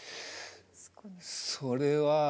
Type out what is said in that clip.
それは。